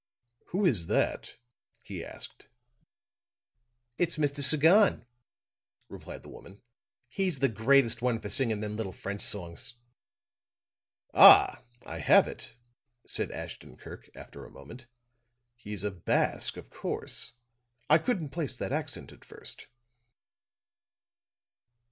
"Who is that?" he asked. "It's Mr. Sagon," replied the woman. "He's the greatest one for singing them little French songs." "Ah, I have it," said Ashton Kirk, after a moment. "He's a Basque, of course. I couldn't place that accent at first."